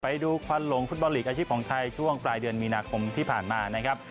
ไปดูควรลงฟุตบอลหลีกอาชีพของไทยช่วงปลายเดือนมีนาคนพิพรีที่ผ่านมา